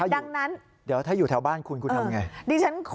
ดังนั้นเดี๋ยวถ้าอยู่แถวบ้านคุณคุณทำไง